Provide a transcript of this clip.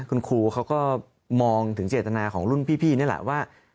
คุณครูเขาก็มองถึงเจตนาของรุ่นพี่นี่แหละว่า